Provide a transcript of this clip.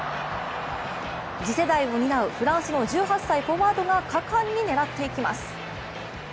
次世代を担うフランスの１８歳フォワードが果敢に狙っていきます。